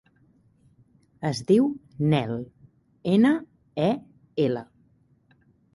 Es diu Nel: ena, e, ela.